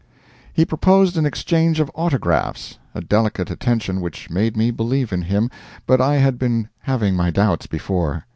He proposed an exchange of autographs, a delicate attention which made me believe in him, but I had been having my doubts before.